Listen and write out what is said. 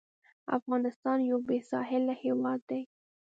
افغانستان یو بېساحله هېواد دی.